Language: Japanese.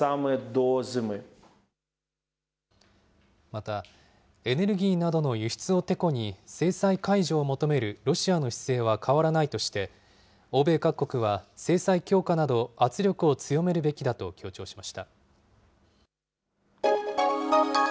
また、エネルギーなどの輸出をてこに制裁解除を求めるロシアの姿勢は変わらないとして、欧米各国は制裁強化など圧力を強めるべきだと強調しました。